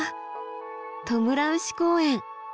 トムラウシ公園